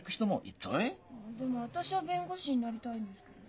でも私は弁護士になりたいんですけどね。